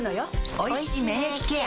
おいしい免疫ケア